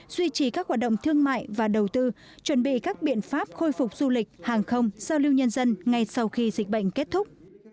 duy trì các hoạt động thương mại và đầu tư chuẩn bị các biện pháp khôi phục du lịch hàng không giao lưu nhân dân ngay sau khi dịch bệnh kết thúc